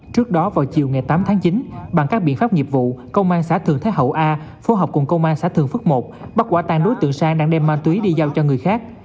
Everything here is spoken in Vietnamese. trước đó vào chiều ngày tám tháng chín bằng các biện pháp nghiệp vụ công an xã thường thế hậu a phối hợp cùng công an xã thường phước một bắt quả tan đối tượng sang đang đem ma túy đi giao cho người khác